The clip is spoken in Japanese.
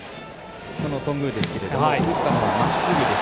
その頓宮ですが打ったのはまっすぐです。